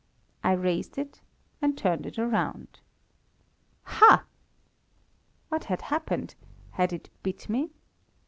I raised it and turned it round. Hah! What had happened? Had it bit me?